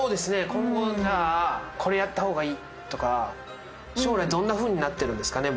今後じゃあこれやった方がいいとか将来どんな風になってるんですかね？